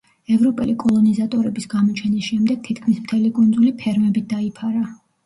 ევროპელი კოლონიზატორების გამოჩენის შემდეგ თითქმის მთელი კუნძული ფერმებით დაიფარა.